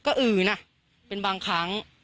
ก็อื่นเป็นบางครั้ง